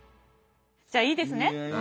じゃあいいですね？